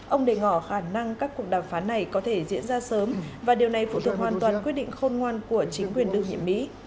ông đề ngỏ khả năng các cuộc đàm phán này có thể diễn ra sớm và điều này phụ thuộc hoàn toàn quyết định khôn ngoan của chính quyền đương nhiệm mỹ